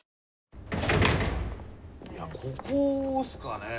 いやここっすかね？